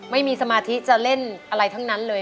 ไม่มีสมาธิจะเล่นอะไรทั้งนั้นเลย